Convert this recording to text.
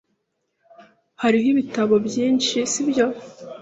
Hariho ibitabo byinshi, sibyo?